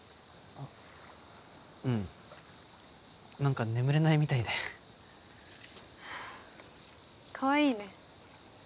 うん何か眠れないみたいでかわいいね